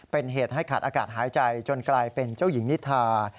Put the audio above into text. เป็นเหตุให้ขาดอากาศหายใจจนกลายเป็นเจ้าหญิงนิทา